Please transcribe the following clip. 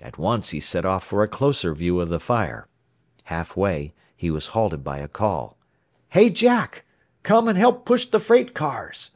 At once he set off for a closer view of the fire. Half way he was halted by a call. "Hi, Jack! Come and help push the freight cars!"